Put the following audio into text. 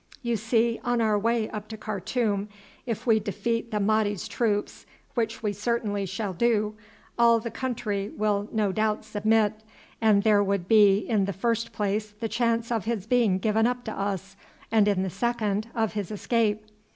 You see, on our way up to Khartoum if we defeat the Mahdi's troops which we certainly shall do all the country will no doubt submit, and there would be in the first place the chance of his being given up to us, and in the second of his escape."